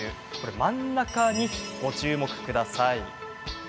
真ん中にご注目ください。